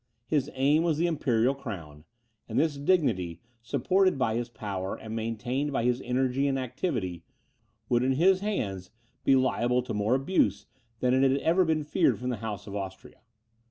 His aim was the imperial crown; and this dignity, supported by his power, and maintained by his energy and activity, would in his hands be liable to more abuse than had ever been feared from the House of Austria.